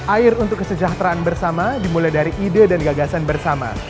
air untuk kesejahteraan bersama dimulai dari ide dan gagasan bersama